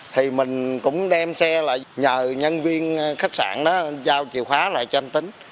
thì mình cũng đem xe lại nhờ nhân viên khách sạn đó giao chìa khóa lại cho anh tính